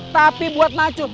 tapi buat macub